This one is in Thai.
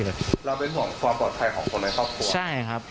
แล้วเป็นห่วงความปลอดภัยของคนในครอบครัว